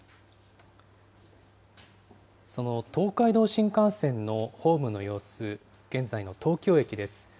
その東海道新幹線のホームの様子、現在の東京駅です。